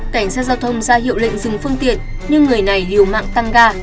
cảnh sát giao thông ra hiệu lệnh dừng phương tiện nhưng người này liều mạng tăng ga